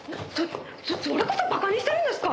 それこそ馬鹿にしてるんですか！？